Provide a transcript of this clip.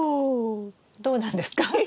どうなんですか？